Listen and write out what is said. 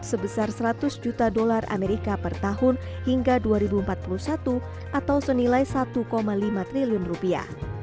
sebesar seratus juta dolar amerika per tahun hingga dua ribu empat puluh satu atau senilai satu lima triliun rupiah